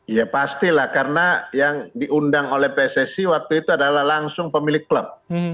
ya pastilah karena yang diundang oleh pssi waktu itu adalah langsung pemilik klub